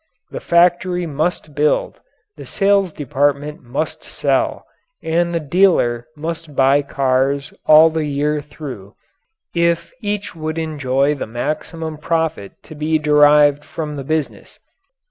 The factory must build, the sales department must sell, and the dealer must buy cars all the year through, if each would enjoy the maximum profit to be derived from the business.